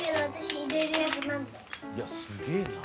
いやすげえな。